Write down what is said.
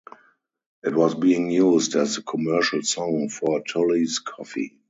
It was being used as the commercial song for Tully's Coffee.